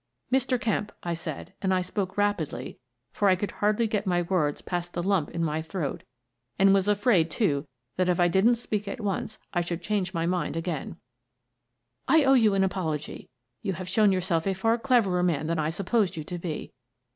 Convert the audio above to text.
" Mr. Kemp," I said — and I spoke rapidly, for I could hardly get my words past the lump in my throat, and was afraid, too, that if I didn't speak at once I should change my mind again —" I owe you an apology. You have shown yourself a far cleverer man than I supposed you to be.